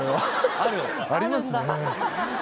ありますね。